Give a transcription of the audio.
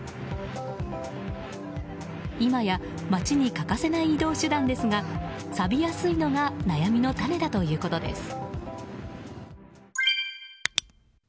今や街に欠かせない移動手段ですがさびやすいのが悩みの種だということです。